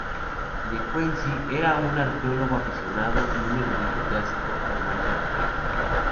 De Quincy era un arqueólogo aficionado y un erudito clásico, además de arquitecto.